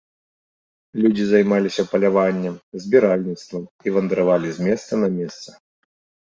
Людзі займаліся паляваннем, збіральніцтвам, і вандравалі з месца на месца.